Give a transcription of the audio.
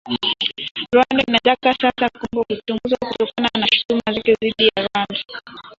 Rwanda sasa inataka Kongo kuchunguzwa kutokana na shutuma zake dhidi ya Rwanda